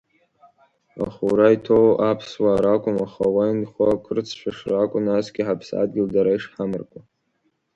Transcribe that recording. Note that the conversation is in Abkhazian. Ахәура иҭоу аԥсуаа ракәым, аха уа инхо ақырҭцәа шракәу, насгьы ҳаԥсадгьыл дара ишҳамаркуа.